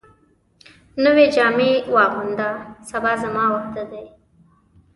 نوي جامي واغونده ، سبا زما واده دی